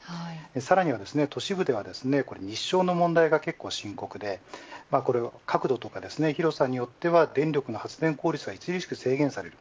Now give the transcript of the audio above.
さらには都市部では日照の問題が深刻で角度とか広さによっては電力の発電効率が著しく制限される。